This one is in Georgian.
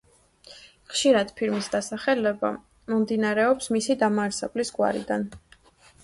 ხშირად ფირმის დასახელება მომდინარეობს მისი დამაარსებლის გვარიდან.